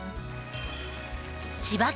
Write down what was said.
千葉県